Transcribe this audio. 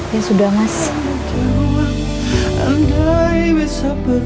ya sudah mas